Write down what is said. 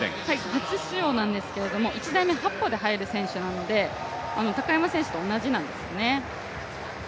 初出場なんですけれども、１台目８歩で入る選手なので、高山選手と同じなんですね。